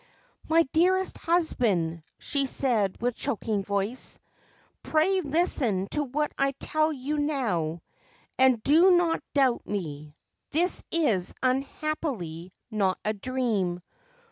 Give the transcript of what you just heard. ' My dearest husband,' she said with choking voice, * pray listen to what I tell you now, and do not doubt me. This is, unhappily, not a dream.